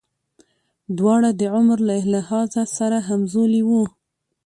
دواړه د عمر له لحاظه سره همزولي وو.